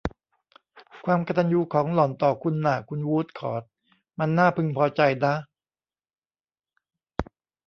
ความกตัญญูของหล่อนต่อคุณน่ะ คุณวู้ดคอร์ต มันน่าพึงพอใจนะ